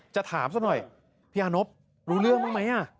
จะถามสักหน่อยพี่อานพรู้เรื่องมั้ย